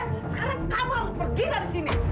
sekarang kamu harus pergi dari sini